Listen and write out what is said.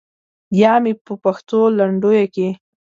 یا مې په پښتو لنډیو کې.